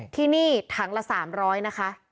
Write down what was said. ที่นี่ถังละ๓๐๐นะคะ